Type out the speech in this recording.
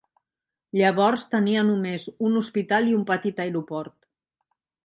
Llavors tenia només un hospital i un petit aeroport.